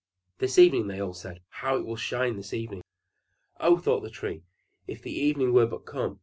"This evening!" they all said. "How it will shine this evening!" "Oh!" thought the Tree. "If the evening were but come!